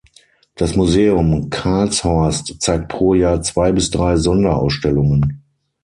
Das Museum Karlshorst zeigt pro Jahr zwei bis drei Sonderausstellungen.